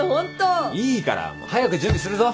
いいから早く準備するぞ。